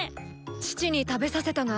父に食べさせたが。